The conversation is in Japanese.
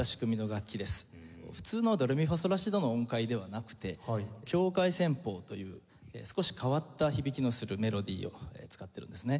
普通のドレミファソラシドの音階ではなくて教会旋法という少し変わった響きのするメロディーを使っているんですね。